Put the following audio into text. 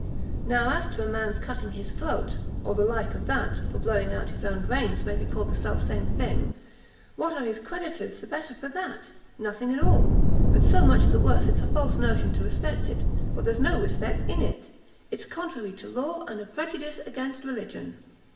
Now as to a man's cutting his throat, or the like of that, for blowing out his own brains may be called the self same thing, what are his creditors the better for that? nothing at all, but so much the worse it's a false notion to respect it, for there's no respect in it; it's contrary to law, and a prejudice against religion."